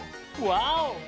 ワオ！